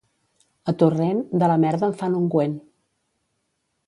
A Torrent, de la merda en fan ungüent.